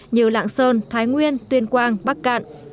như lạng sơn thái nguyên tuyên quang bắc cạn